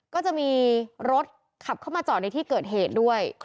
ก็จะมีรถขับเข้ามาจอดในที่เกิดเหตุด้วย